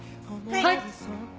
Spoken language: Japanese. はい。